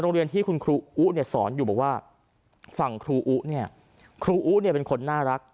โรงเรียนที่คุณครูอุ๊เนี่ยสอนอยู่บอกว่าฝั่งครูอุเนี่ยครูอุ๊เนี่ยเป็นคนน่ารัก